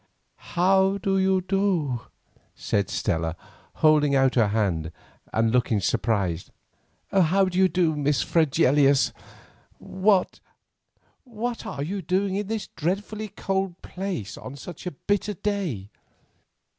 "How do you do?" said Stella, holding out her hand, and looking surprised. "How do you do, Miss Fregelius? What—what are you doing in this dreadfully cold place on such a bitter day?"